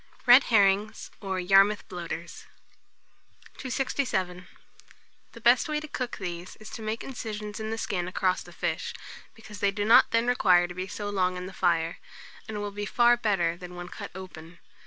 RED HERRINGS, or YARMOUTH BLOATERS. 267. The best way to cook these is to make incisions in the skin across the fish, because they do not then require to be so long on the fire, and will be far better than when cut open.